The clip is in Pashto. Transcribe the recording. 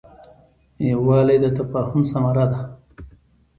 یووالی د تفاهم ثمره ده.